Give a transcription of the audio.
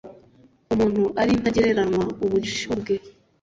umuntu ari intagereranywa. ubushyo bwe